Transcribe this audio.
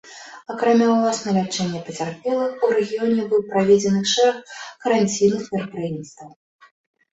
Акрамя ўласна лячэння пацярпелых, у рэгіёне быў праведзены шэраг каранцінных мерапрыемстваў.